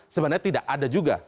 sebenarnya tidak ada juga